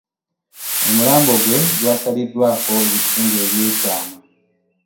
Omulambo gwe gwasaliddwako ebitundu eby'ekyama